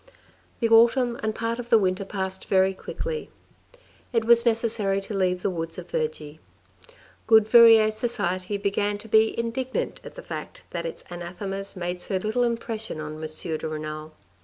The autumn and part of the winter passed very quickly. It was necessary to leave the woods of Vergy. Good Verrieres ii i6* THE RED AND THE BLACK society began to be indignant at the fact that its anathemas made so little impression on Monsieur de Renal.